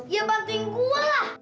ya bantuin gua lah